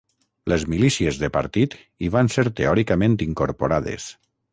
Les milícies de partit hi van ser teòricament incorporades.